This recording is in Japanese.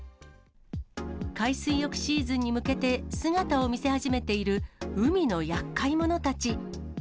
海水浴シーズンに向けて、姿を見せ始めている海のやっかい者たち。